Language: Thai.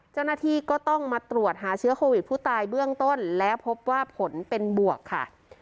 เจ้าหน้าที่ก็ต้องมาตรวจหาเชื้อโควิดผู้ตายเบื้องต้นและพบว่าผลเป็นบวกค่ะ